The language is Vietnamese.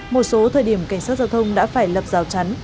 một số thời điểm cảnh sát giao thông đã phải lập rào chắn